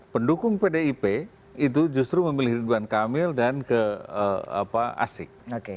pendukung pdip itu justru memilih ridwan kamil dan ke asyik